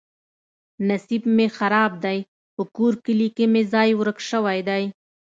نصیب مې خراب دی. په کور کلي کې مې ځای ورک شوی دی.